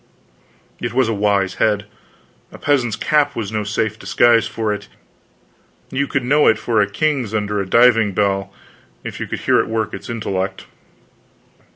It was a wise head. A peasant's cap was no safe disguise for it; you could know it for a king's under a diving bell, if you could hear it work its intellect.